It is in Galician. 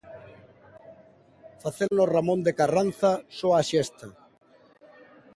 Facelo no Ramón de Carranza soa a xesta.